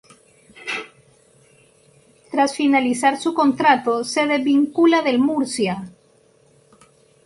Tras finalizar su contrato se desvincula del Murcia.